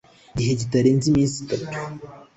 gihe kitarenze iminsi itanu